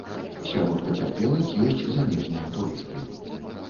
Сярод пацярпелых ёсць замежныя турысты.